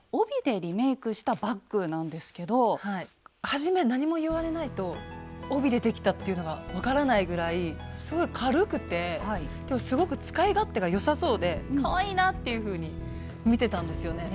初め何も言われないと帯でできたっていうのがわからないぐらいすごい軽くてすごく使い勝手がよさそうでかわいいなっていうふうに見てたんですよね。